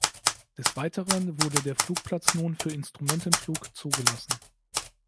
Des Weiteren wurde der Flugplatz nun für Instrumentenflug zugelassen.